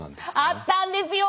あったんですよ。